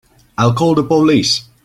I'll call the police.